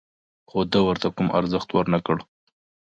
خو ده ورته کوم ارزښت ور نه کړ.